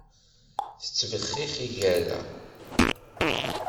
Tesbixxix lgerra.